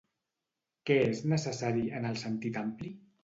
Què és necessari, en el sentit ampli?